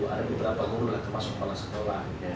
ada beberapa guru yang masuk ke sekolah